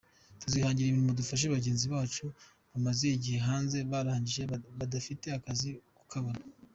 Tuzihangira imirimo dufashe bagenzi bacu bamaze igihe hanze barangije badafite akazi kukabona.